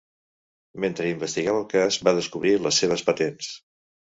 Mentre investigava el cas, va descobrir les seves patents.